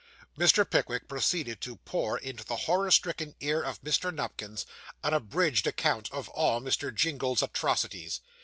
Mr. Pickwick proceeded to pour into the horror stricken ear of Mr. Nupkins, an abridged account of all Mr. Jingle's atrocities.